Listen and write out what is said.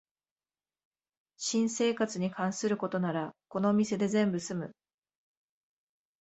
新生活に関することならこのお店で全部すむ